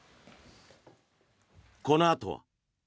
このあとは。